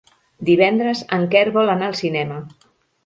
Divendres en Quer vol anar al cinema.